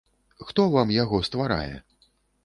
Хто вам яго стварае?